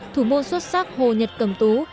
thủ môn xuất sắc hồ nhật cầm tú